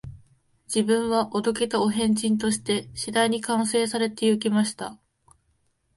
自分はお道化たお変人として、次第に完成されて行きました